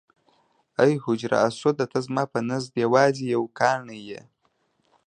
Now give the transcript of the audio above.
ای حجر اسوده ته زما په نزد یوازې یو کاڼی یې.